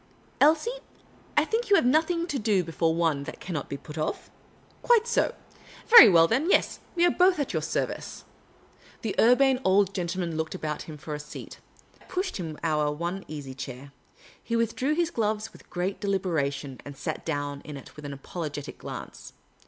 Elsie, I think you have nothing to do l)efore one, that can not be put off? Quite so — very well, then ; yes, we are both at your service." T5<^ Miss Cay ley's Adventures The Urbane Old Gentleman looked about him for a seat. I pushed him our one easy chair. He withdrew his gloves with great deliberation, and sat down in it with an apologetic glance.